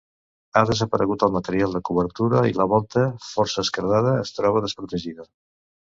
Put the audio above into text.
Ha desaparegut el material de cobertura i la volta, força esquerdada, es troba desprotegida.